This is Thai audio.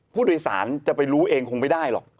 ผู้โดยสารจะไปรู้เองคงไม่ได้หรอก